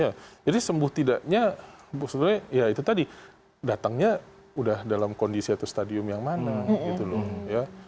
ya jadi sembuh tidaknya ya itu tadi datangnya sudah dalam kondisi atau stadium yang mana gitu loh